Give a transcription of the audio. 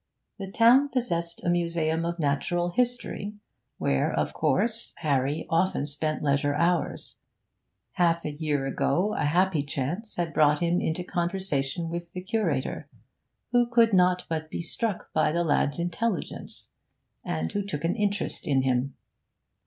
The town possessed a museum of Natural History, where, of course, Harry had often spent leisure hours. Half a year ago a happy chance had brought him into conversation with the curator, who could not but be struck by the lad's intelligence, and who took an interest in him.